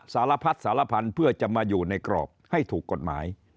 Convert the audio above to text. สารพัดสารพันธุ์เพื่อจะมาอยู่ในกรอบให้ถูกกฎหมาย